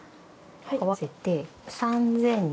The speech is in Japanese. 合わせて。